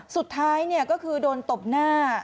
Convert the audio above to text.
สุดท้ายก็คือโดนตบหน้า